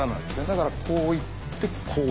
だからこういってこう。